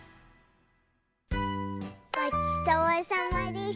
ごちそうさまでした！